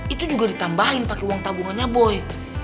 itu juga ditambahin pakai uang tabungannya boy